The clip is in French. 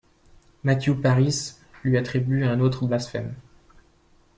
Matthew Paris lui attribue un autre blasphème.